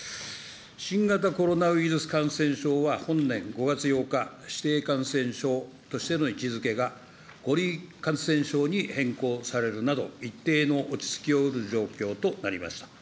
新型コロナウイルス感染症は本年５月８日、指定感染症としての位置づけが５類感染症に変更されるなど、一定の落ち着きを得る状況となりました。